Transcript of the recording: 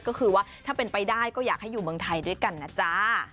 ก็คือว่าถ้าเป็นไปได้ก็อยากให้อยู่เมืองไทยด้วยกันนะจ๊ะ